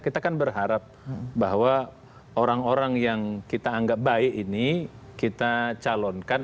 kita kan berharap bahwa orang orang yang kita anggap baik ini kita calonkan